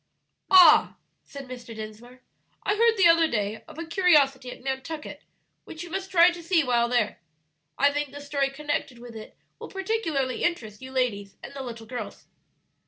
"Ah," said Mr. Dinsmore, "I heard the other day of a curiosity at Nantucket which we must try to see while there. I think the story connected with it will particularly interest you ladies and the little girls."